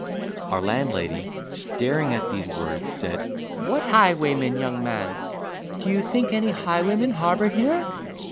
Our landlady, staring at these words, said, "What highwayman, young man? Do you think any highwaymen harbour here?"